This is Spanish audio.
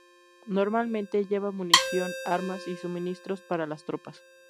Normalmente lleva munición, armas y suministros para las tropas.